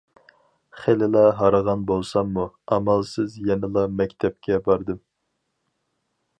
خېلىلا ھارغان بولساممۇ، ئامالسىز يەنىلا مەكتەپكە باردىم.